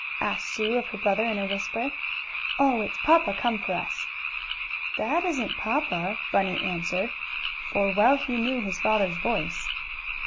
asked Sue of her brother in a whisper. "Oh, it's papa come for us!" "That isn't papa," Bunny answered, for well he knew his father's voice.